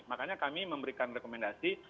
makanya kami memberikan rekomendasi